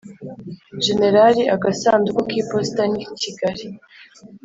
Generali Agasanduku k Iposita ni Kigali